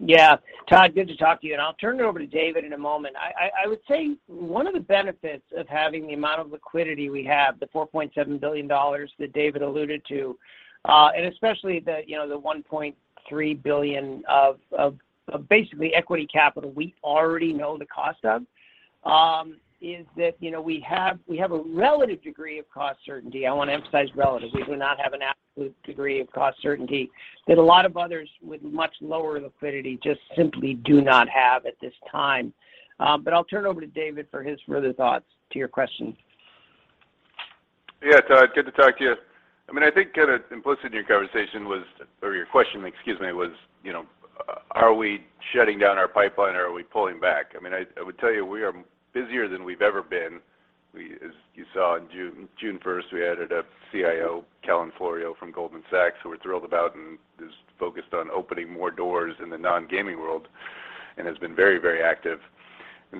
Yeah. Todd, good to talk to you, and I'll turn it over to David in a moment. I would say one of the benefits of having the amount of liquidity we have, the $4.7 billion that David alluded to, and especially you know the $1.3 billion of basically equity capital we already know the cost of, is that, you know, we have a relative degree of cost certainty, I want to emphasize relative, we do not have an absolute degree of cost certainty, that a lot of others with much lower liquidity just simply do not have at this time. I'll turn it over to David for his further thoughts to your question. Yeah, Todd, good to talk to you. I mean, I think kinda implicit in your conversation was, or your question, excuse me, was, you know, are we shutting down our pipeline or are we pulling back? I mean, I would tell you we are busier than we've ever been. You saw in June first, we added a CIO, Kellan Florio from Goldman Sachs, who we're thrilled about and is focused on opening more doors in the non-gaming world and has been very, very active.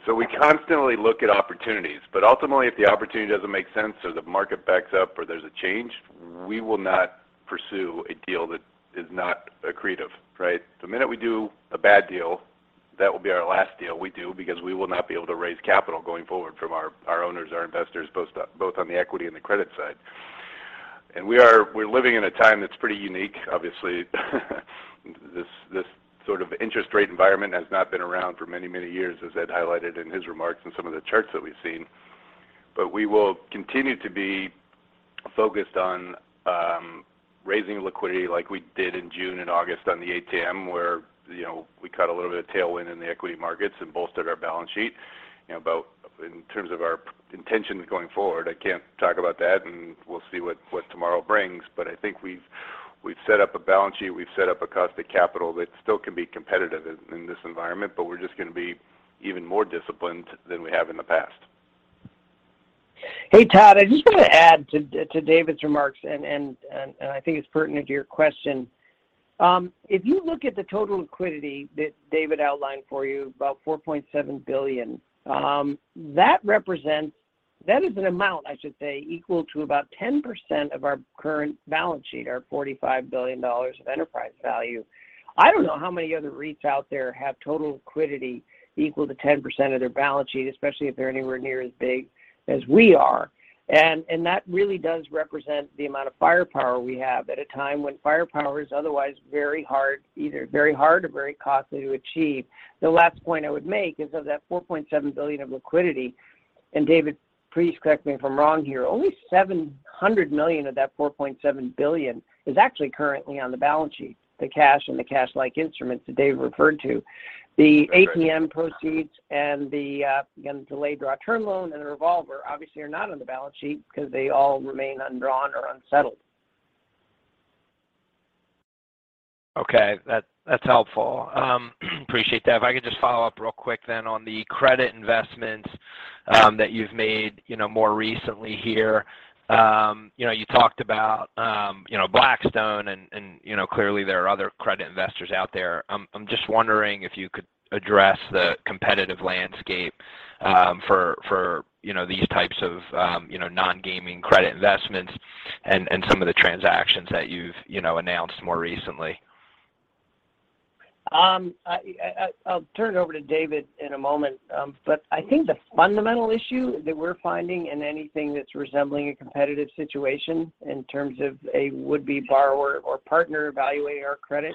We constantly look at opportunities, but ultimately if the opportunity doesn't make sense or the market backs up or there's a change, we will not pursue a deal that is not accretive, right? The minute we do a bad deal, that will be our last deal we do because we will not be able to raise capital going forward from our owners, our investors, both on the equity and the credit side. We're living in a time that's pretty unique. Obviously, this sort of interest rate environment has not been around for many years, as Ed highlighted in his remarks and some of the charts that we've seen. We will continue to be focused on raising liquidity like we did in June and August on the ATM, where, you know, we caught a little bit of tailwind in the equity markets and bolstered our balance sheet. You know, in terms of our intentions going forward, I can't talk about that, and we'll see what tomorrow brings. I think we've set up a balance sheet, we've set up a cost of capital that still can be competitive in this environment, but we're just gonna be even more disciplined than we have in the past. Hey, Todd, I just want to add to David's remarks and I think it's pertinent to your question. If you look at the total liquidity that David outlined for you, about $4.7 billion, that represents, that is an amount, I should say, equal to about 10% of our current balance sheet, our $45 billion of enterprise value. I don't know how many other REITs out there have total liquidity equal to 10% of their balance sheet, especially if they're anywhere near as big as we are. That really does represent the amount of firepower we have at a time when firepower is otherwise very hard, either very hard or very costly to achieve. The last point I would make is of that $4.7 billion of liquidity, and David, please correct me if I'm wrong here, only $700 million of that $4.7 billion is actually currently on the balance sheet, the cash and the cash-like instruments that Dave referred to. The ATM proceeds and the, again, delayed draw term loan and the revolver obviously are not on the balance sheet because they all remain undrawn or unsettled. Okay. That's helpful. Appreciate that. If I could just follow up real quick then on the credit investments that you've made, you know, more recently here. You know, you talked about you know, Blackstone and you know, clearly there are other credit investors out there. I'm just wondering if you could address the competitive landscape for you know, these types of you know, non-gaming credit investments and some of the transactions that you've you know, announced more recently. I'll turn it over to David in a moment. I think the fundamental issue that we're finding in anything that's resembling a competitive situation in terms of a would-be borrower or partner evaluating our credit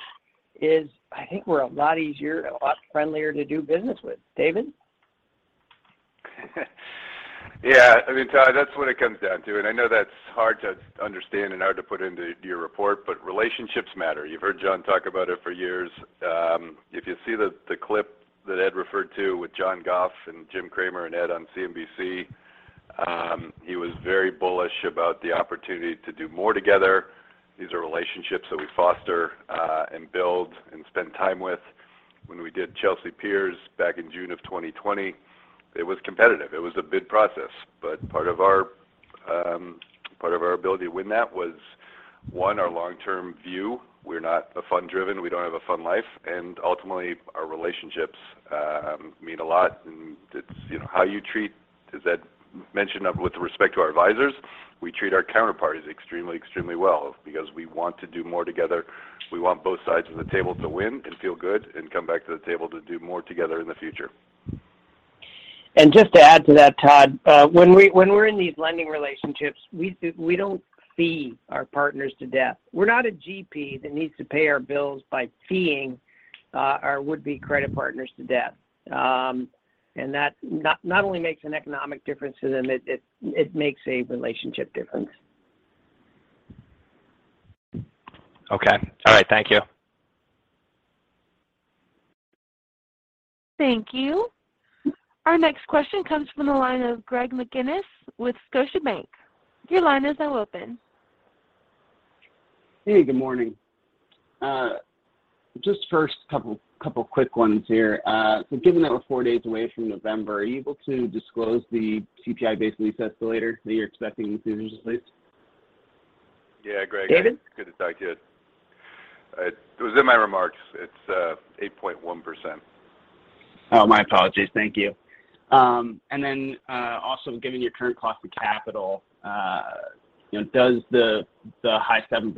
is I think we're a lot easier, a lot friendlier to do business with. David? Yeah. I mean, Todd, that's what it comes down to, and I know that's hard to understand and hard to put into your report, but relationships matter. You've heard John talk about it for years. If you see the clip that Ed referred to with John Goff and Jim Cramer and Ed on CNBC, he was very bullish about the opportunity to do more together. These are relationships that we foster and build and spend time with. When we did Chelsea Piers back in June of 2020, it was competitive. It was a bid process. Part of our ability to win that was, one, our long-term view. We're not a fund driven. We don't have a fund life. And ultimately, our relationships mean a lot. It's, you know, how you treat, as Ed mentioned with respect to our advisors, we treat our counterparties extremely well because we want to do more together. We want both sides of the table to win and feel good and come back to the table to do more together in the future. Just to add to that, Todd, when we're in these lending relationships, we don't fee our partners to death. We're not a GP that needs to pay our bills by feeing our would-be credit partners to death. That not only makes an economic difference to them, it makes a relationship difference. Okay. All right. Thank you. Thank you. Our next question comes from the line of Greg McGinniss with Scotiabank. Your line is now open. Hey, good morning. Just first couple quick ones here. Given that we're four days away from November, are you able to disclose the CPI-based lease escalator that you're expecting in Caesars lease? Yeah, Greg. David? Good to talk to you. It was in my remarks. It's 8.1%. Also given your current cost of capital, you know, does the high 7%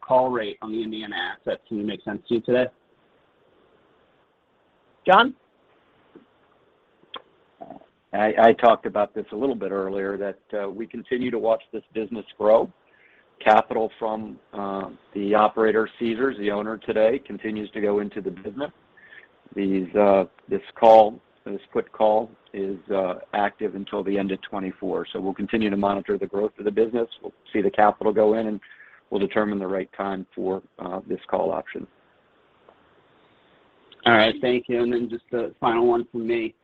call rate on the Indiana asset team make sense to you today? John? I talked about this a little bit earlier, that we continue to watch this business grow. Capital from the operator, Caesars, the owner today, continues to go into the business. This put/call is active until the end of 2024. We'll continue to monitor the growth of the business. We'll see the capital go in, and we'll determine the right time for this call option. All right. Thank you. Just a final one from me.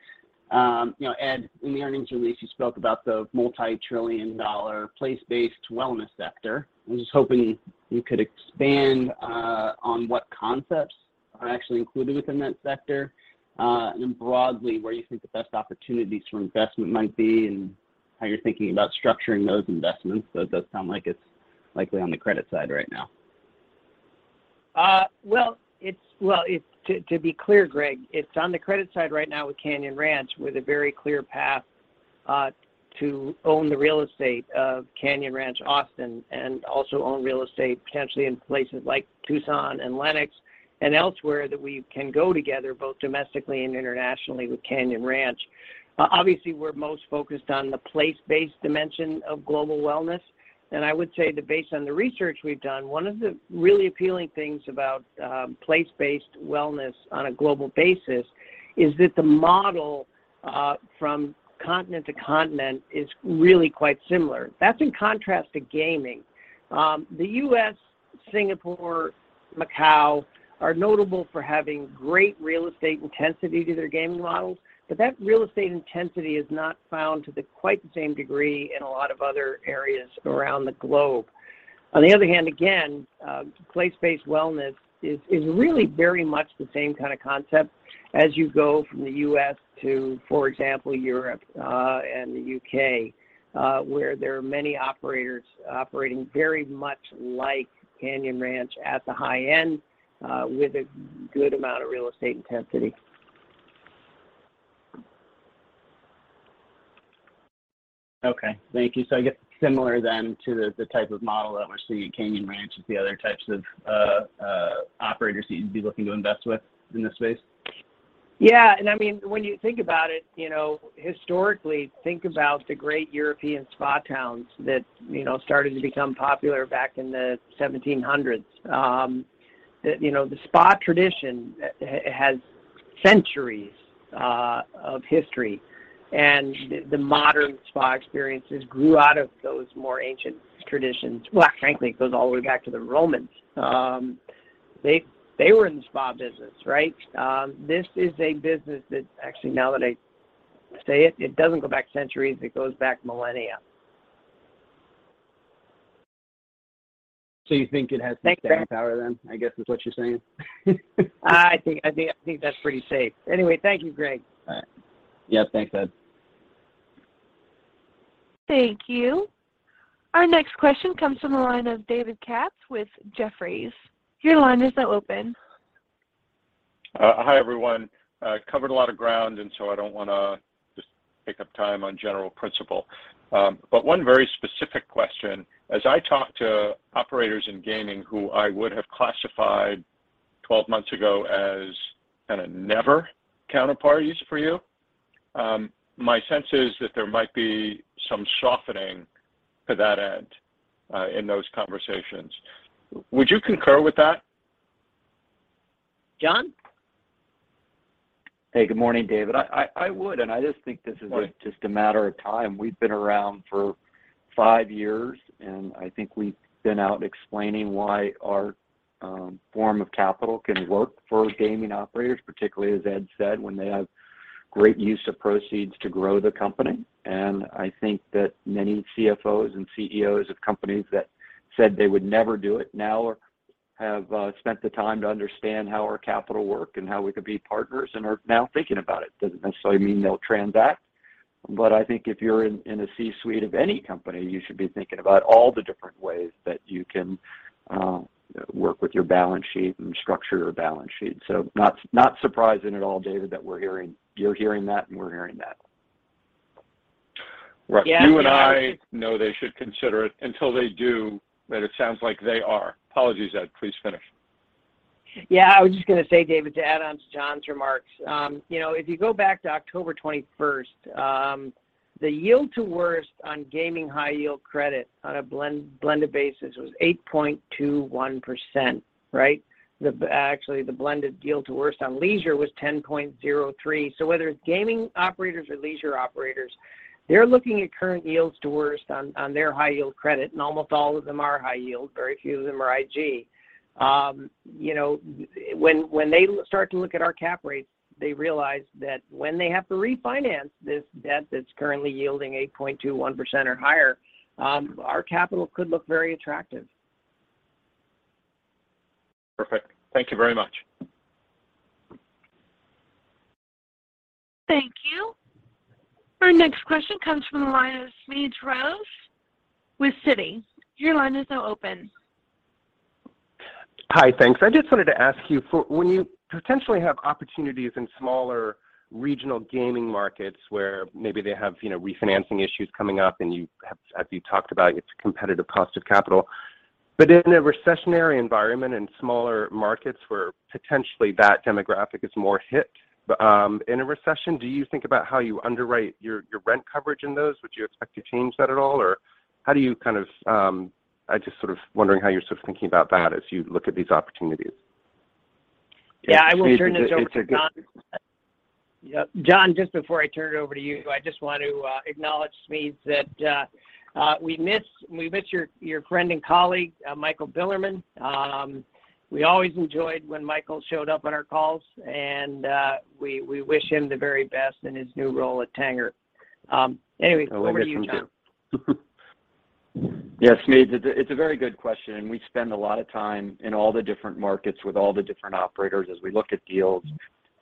You know, Ed, in the earnings release, you spoke about the multi-trillion-dollar place-based wellness sector. I'm just hoping you could expand on what concepts are actually included within that sector, and then broadly, where you think the best opportunities for investment might be and how you're thinking about structuring those investments. Though it does sound like it's likely on the credit side right now. To be clear, Greg, it's on the credit side right now with Canyon Ranch, with a very clear path to own the real estate of Canyon Ranch, Austin, and also own real estate potentially in places like Tucson and Lenox and elsewhere that we can go together, both domestically and internationally with Canyon Ranch. Obviously, we're most focused on the place-based dimension of global wellness. I would say that based on the research we've done, one of the really appealing things about place-based wellness on a global basis is that the model from continent to continent is really quite similar. That's in contrast to gaming. The US, Singapore, Macau, are notable for having great real estate intensity to their gaming models, but that real estate intensity is not found to quite the same degree in a lot of other areas around the globe. On the other hand, again, place-based wellness is really very much the same kind of concept as you go from the US to, for example, Europe, and the UK, where there are many operators operating very much like Canyon Ranch at the high end, with a good amount of real estate intensity. Okay. Thank you. I guess similar then to the type of model that we're seeing at Canyon Ranch with the other types of operators that you'd be looking to invest with in this space. Yeah. I mean, when you think about it, you know, historically, think about the great European spa towns that, you know, started to become popular back in the 1700s. The spa tradition has centuries of history, and the modern spa experiences grew out of those more ancient traditions. Well, frankly, it goes all the way back to the Romans. They were in the spa business, right? This is a business that actually, now that I say it, doesn't go back centuries, it goes back millennia. You think it has. Thanks, Greg. some staying power then, I guess is what you're saying? I think that's pretty safe. Anyway, thank you, Greg. All right. Yeah. Thanks, Ed. Thank you. Our next question comes from the line of David Katz with Jefferies. Your line is now open. Hi, everyone. Covered a lot of ground, I don't wanna just take up time on general principle. One very specific question. As I talk to operators in gaming who I would have classified 12 months ago as kinda never counterparties for you, my sense is that there might be some softening to that end, in those conversations. Would you concur with that? John? Hey, good morning, David. I just think this is. Right just a matter of time. We've been around for five years, and I think we've been out explaining why our form of capital can work for gaming operators, particularly, as Ed said, when they have great use of proceeds to grow the company. I think that many CFOs and CEOs of companies that said they would never do it now have spent the time to understand how our capital work and how we could be partners and are now thinking about it. Doesn't necessarily mean they'll transact, but I think if you're in a C-suite of any company, you should be thinking about all the different ways that you can work with your balance sheet and structure your balance sheet. Not surprising at all, David, that we're hearing. You're hearing that and we're hearing that. Right. Yeah. You and I know they should consider it. Until they do, but it sounds like they are. Apologies, Ed. Please finish. Yeah. I was just gonna say, David, to add on to John's remarks, you know, if you go back to October 21, the yield to worst on gaming high yield credit on a blended basis was 8.21%, right? Actually, the blended yield to worst on leisure was 10.03%. Whether it's gaming operators or leisure operators, they're looking at current yields to worst on their high yield credit, and almost all of them are high yield. Very few of them are IG. You know, when they start to look at our cap rates, they realize that when they have to refinance this debt that's currently yielding 8.21% or higher, our capital could look very attractive. Perfect. Thank you very much. Thank you. Our next question comes from the line of Smedes Rose with Citi. Your line is now open. Hi. Thanks. I just wanted to ask you when you potentially have opportunities in smaller regional gaming markets where maybe they have, you know, refinancing issues coming up and as you talked about, it's competitive cost of capital. But in a recessionary environment in smaller markets where potentially that demographic is more hit in a recession, do you think about how you underwrite your rent coverage in those? Would you expect to change that at all, or how do you kind of? I'm just sort of wondering how you're sort of thinking about that as you look at these opportunities. Yeah. I will turn this over to John. Smedes, it's a g- Yep. John, just before I turn it over to you, I just want to acknowledge Smedes that we miss your friend and colleague, Michael Bilerman. We always enjoyed when Michael showed up on our calls, and we wish him the very best in his new role at Tanger. Anyway, over to you, John. Yes, Smedes, it's a very good question, and we spend a lot of time in all the different markets with all the different operators as we look at deals,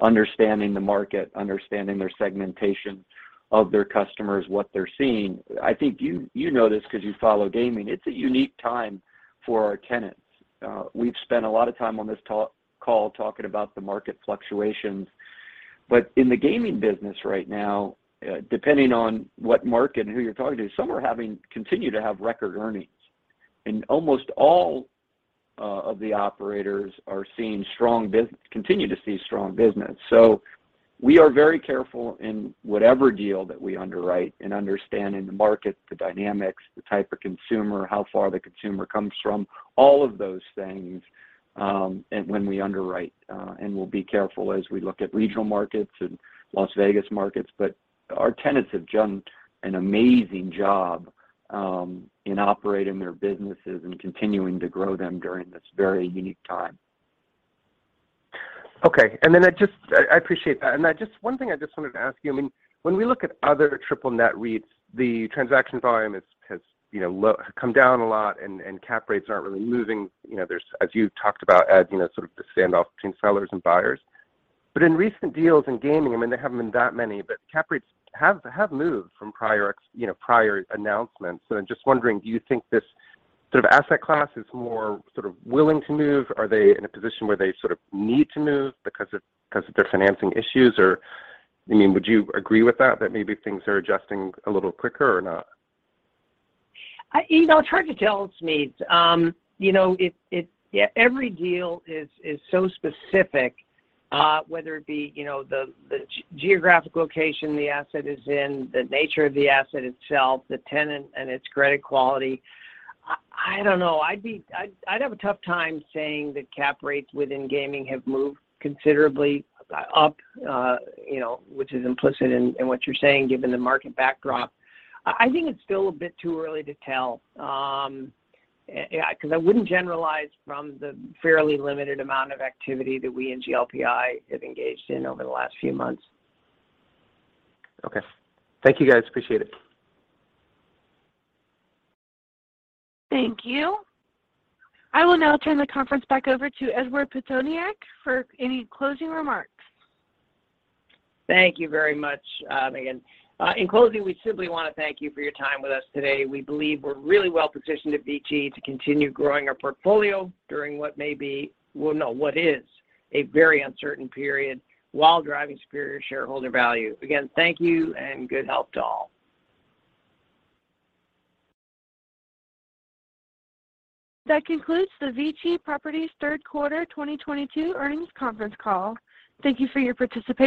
understanding the market, understanding their segmentation of their customers, what they're seeing. I think you know this 'cause you follow gaming. It's a unique time for our tenants. We've spent a lot of time on this call talking about the market fluctuations, but in the gaming business right now, depending on what market and who you're talking to, some continue to have record earnings. Almost all of the operators continue to see strong business. We are very careful in whatever deal that we underwrite in understanding the market, the dynamics, the type of consumer, how far the consumer comes from, all of those things, and when we underwrite. We'll be careful as we look at regional markets and Las Vegas markets. Our tenants have done an amazing job in operating their businesses and continuing to grow them during this very unique time. Okay. I appreciate that. One thing I just wanted to ask you, I mean, when we look at other triple net REITs, the transaction volume has, you know, come down a lot and cap rates aren't really moving. You know, there's, as you talked about, Ed, you know, sort of the standoff between sellers and buyers. In recent deals in gaming, I mean, there haven't been that many, but cap rates have moved from prior, you know, prior announcements. I'm just wondering, do you think this sort of asset class is more sort of willing to move? Are they in a position where they sort of need to move because of their financing issues? Or, I mean, would you agree with that maybe things are adjusting a little quicker or not? You know, it's hard to tell, Smedes. You know, it. Yeah, every deal is so specific, whether it be, you know, the geographic location the asset is in, the nature of the asset itself, the tenant and its credit quality. I don't know. I'd have a tough time saying that cap rates within gaming have moved considerably up, you know, which is implicit in what you're saying given the market backdrop. I think it's still a bit too early to tell, yeah, 'cause I wouldn't generalize from the fairly limited amount of activity that we in GLPI have engaged in over the last few months. Okay. Thank you, guys. Appreciate it. Thank you. I will now turn the conference back over to Edward Pitoniak for any closing remarks. Thank you very much, Megan. In closing, we simply wanna thank you for your time with us today. We believe we're really well-positioned at VICI to continue growing our portfolio during what is a very uncertain period while driving superior shareholder value. Again, thank you and good health to all. That concludes the VICI Properties Third Quarter 2022 Earnings Conference Call. Thank you for your participation.